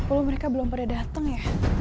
kok jam sepuluh mereka belum pernah dateng ya